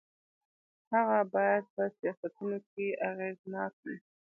هغه باید په سیاستونو کې اغېزناک وي.